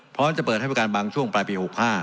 พร้อมจะเปิดให้บริการบางช่วงปลายปี๖๕